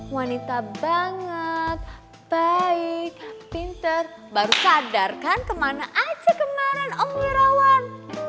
wanita banget baik pinter baru sadar kan kemana aja kemarin om wirawan